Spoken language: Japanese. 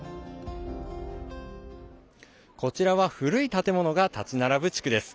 こちらは古い建物が立ち並ぶ地区です。